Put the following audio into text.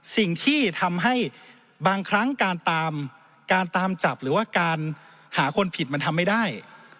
สิ่งที่ทำให้บางครั้งการตามการตามจับหรือว่าการหาคนผิดมันทำไม่ได้